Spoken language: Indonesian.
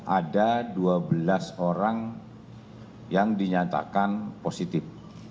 ada dua belas orang yang dinyatakan positif